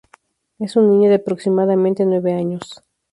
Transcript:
Es un niño de aproximadamente nueve años.